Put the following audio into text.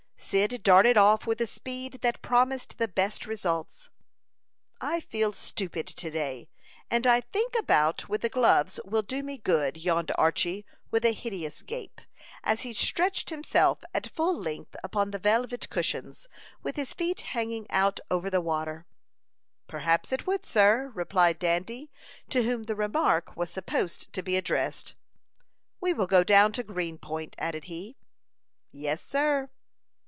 Cyd darted off with a speed that promised the best results. "I feel stupid to day, and I think a bout with the gloves will do me good," yawned Archy, with a hideous gape, as he stretched himself at full length upon the velvet cushions, with his feet hanging out over the water. "Perhaps it would, sir," replied Dandy, to whom the remark was supposed to be addressed. "We will go down to Green Point," added he. "Yes, sir."